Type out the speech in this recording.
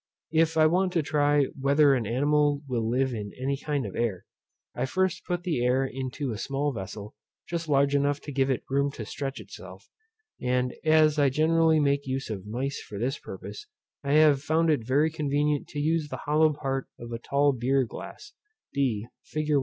If I want to try whether an animal will live in any kind of air, I first put the air into a small vessel, just large enough to give it room to stretch itself; and as I generally make use of mice for this purpose, I have found it very convenient to use the hollow part of a tall beer glass, d fig.